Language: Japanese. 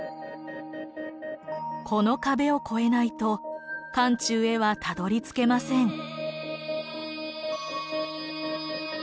この壁を越えないと漢中へはたどりつけません。